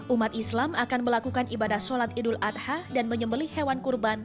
umat islam akan melakukan ibadah sholat idul adha dan menyembeli hewan kurban